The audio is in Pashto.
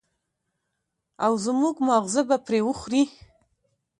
او زموږ ماغزه به پرې وخوري.